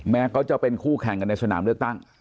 เขาจะเป็นคู่แข่งกันในสนามเลือกตั้ง